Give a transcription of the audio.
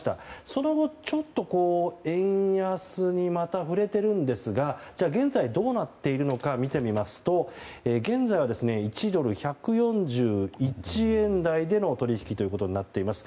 その後、ちょっと円安にまた振れていますが現在、どうなっているのか見てみますと現在は１ドル＝１４１円台での取引となっています。